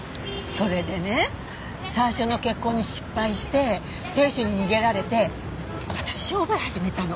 それでね最初の結婚に失敗して亭主に逃げられて私商売を始めたの。